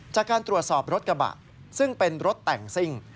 จากการตรวจสอบรถกระบะซึ่งเป็นรถแต่งซิ่ง